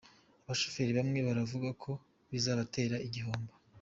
Abashoferi bamwe baravuga ko bizabatera igihombo.